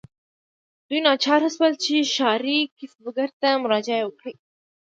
دوی ناچاره شول چې ښاري کسبګرو ته مراجعه وکړي.